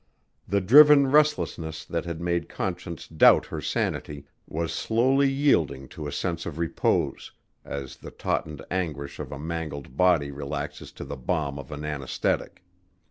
The driven restlessness that had made Conscience doubt her sanity was slowly yielding to a sense of repose, as the tautened anguish of a mangled body relaxes to the balm of an anesthetic.